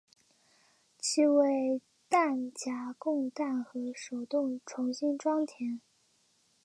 其为弹匣供弹和手动重新装填。